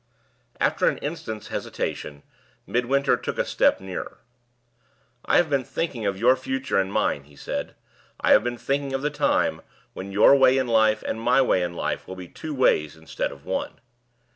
After an instant's hesitation, Midwinter took a step nearer. "I have been thinking of your future and mine," he said; "I have been thinking of the time when your way in life and my way in life will be two ways instead of one."